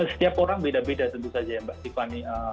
setiap orang beda beda tentu saja ya mbak tiffany